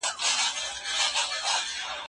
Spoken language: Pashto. تر نيمي شپې پوري يوازي ناسته يمه